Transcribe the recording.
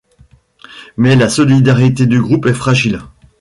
Mais la solidarité du groupe est fragile...